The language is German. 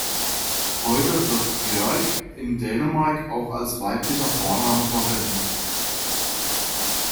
Heute wird "Björk" in Dänemark auch als weiblicher Vorname verwendet.